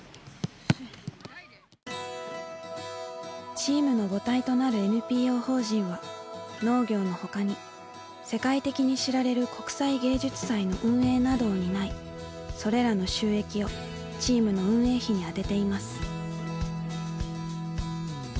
チームの母体となるＮＰＯ法人は農業の他に世界的に知られる国際芸術祭の運営などを担いそれらの収益をチームの運営費に充てています。